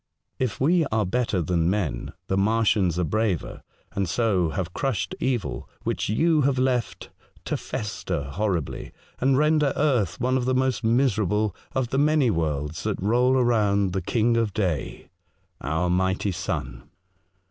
If we are better than men, the Martians are braver, and so have crushed evil which you have left to fester horribly, and render earth one of the most miserable of the many worlds that roll around the King of Day — our mighty sun.